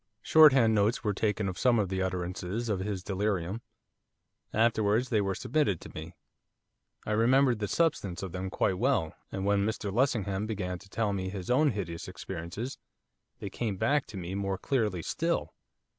Shorthand notes were taken of some of the utterances of his delirium. Afterwards they were submitted to me. I remembered the substance of them quite well, and when Mr Lessingham began to tell me of his own hideous experiences they came back to me more clearly still.